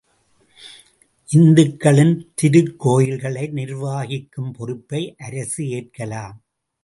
இந்துக்களின் திருக்கோயில்களை நிர்வகிக்கும் பொறுப்பை அரசு ஏற்கலாம்!